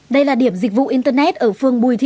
đây là điểm dịch vụ internet ở phương bùi thị